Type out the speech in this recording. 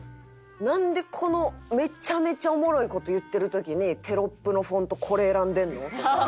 なんでこのめちゃめちゃおもろい事言ってる時にテロップのフォントこれ選んでんの？とか。